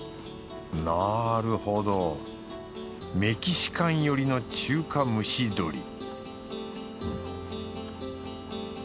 なるほどメキシカン寄りの中華蒸し鶏